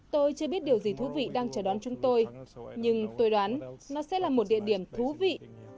tôi chưa biết điều gì thú vị đang chờ đón chúng tôi nhưng tôi đoán nó sẽ là một địa điểm thú vị